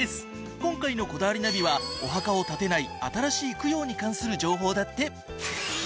今回の『こだわりナビ』はお墓を建てない新しい供養に関する情報だって！